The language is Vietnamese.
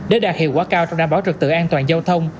để đạt hiệu quả cao trong đảm bảo trực tự an toàn giao thông